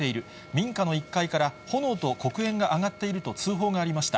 民家の１階から炎と黒煙が上がっていると通報がありました。